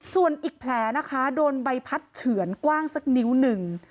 ส่วนอีกแผลนะคะโดนใบพัดเฉือนกว้างสักนิ้วหนึ่ง